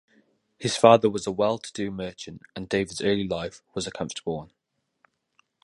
His father was a well-to-do merchant, and David's early life was a comfortable one.